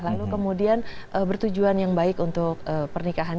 lalu kemudian bertujuan yang baik untuk pernikahan